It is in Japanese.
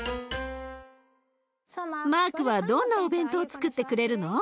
マークはどんなお弁当をつくってくれるの？